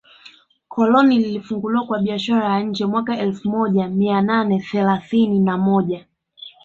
Koloni lilifunguliwa kwa biashara ya nje mwaka elfu moja mia nane thelathini na moja